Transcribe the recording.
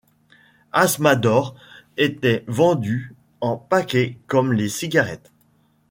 Asthmador était vendu en paquets comme les cigarettes.